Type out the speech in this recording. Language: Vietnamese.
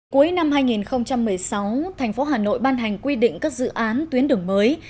cuối năm hai nghìn một mươi sáu thành phố hà nội ban hành quy định các dự án tuyến đường mới